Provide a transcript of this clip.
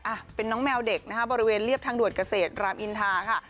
อ่ะเป็นน้องแมวเด็กนะคะบริเวณเรียบทางด่วนเกษตรรามอินทาค่ะ